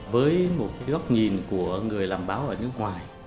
với một góc nhìn của người làm báo ở nước ngoài